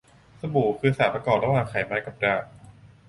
สบู่คือสารประกอบระหว่างไขมันกับด่าง